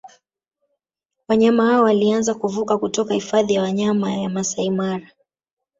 Wanyama hao walianza kuvuka kutoka Hifadhi ya Wanyama ya Maasai Mara